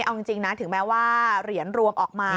เอาจริงนะถึงแม้ว่าเหรียญรวมออกมา